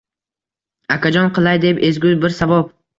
«Akajon, qilay deb ezgu bir savob…